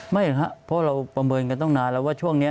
ไม่หรอกครับเพราะเราประเมินกันตั้งนานแล้วว่าช่วงนี้